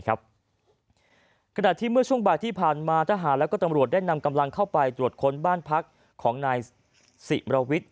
ขณะที่เมื่อช่วงบ่ายที่ผ่านมาทหารและก็ตำรวจได้นำกำลังเข้าไปตรวจค้นบ้านพักของนายสิมรวิทย์